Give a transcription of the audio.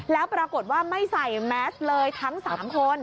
แล้วปรากฏว่าไม่ใส่แมสเลยทั้ง๓คน